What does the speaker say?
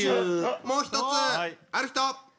もう一つある人！